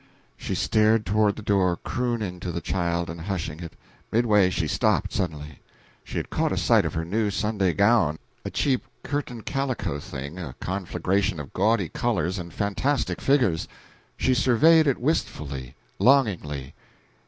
She started toward the door, crooning to the child and hushing it; midway she stopped, suddenly. She had caught sight of her new Sunday gown a cheap curtain calico thing, a conflagration of gaudy colors and fantastic figures. She surveyed it wistfully, longingly.